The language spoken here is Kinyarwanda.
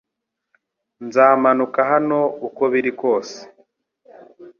Nzamanuka hano uko biri kose